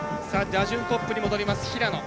打順トップに戻ります、平野。